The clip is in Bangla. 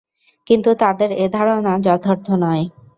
কিন্তু তাদের এ ধারণা যথার্থ নয়।